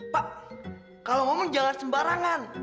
pak kalau ngomong jalan sembarangan